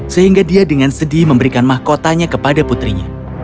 sehingga dia dengan sedih memberikan mahkotanya kepada putrinya